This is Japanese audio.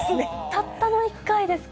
たったの一回ですか？